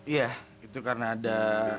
iya itu karena ada